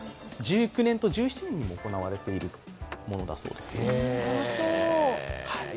１９年と１７年に行われているものだそうですよ。